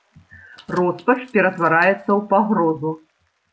Роспач ператвараецца ў пагрозу.